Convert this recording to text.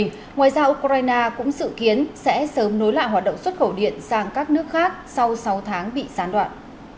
ngoài ra ukraine cũng dự kiến sẽ sớm nối lại hoạt động xuất khẩu điện sang các nước khác sau sáu tháng bị gián đoạn